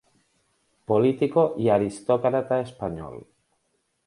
Político y aristócrata español.